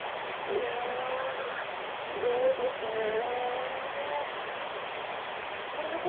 いやきれいですね。という